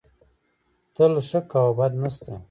تل ښه کوه، بد نه سته